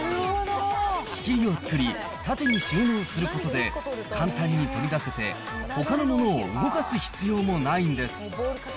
仕切りを作り、縦に収納することで、簡単に取り出せて、ほかのものを動かす必要もないんです。